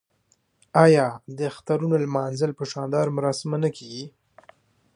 آیا د اخترونو لمانځل په شاندارو مراسمو نه کیږي؟